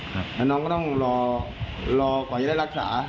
ครับแล้วน้องก็ต้องรอรอก่อยได้รักษา